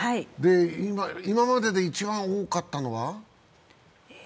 今までで一番多かったのは？